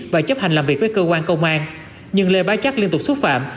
và chấp hành làm việc với cơ quan công an nhưng lê bá chắc liên tục xúc phạm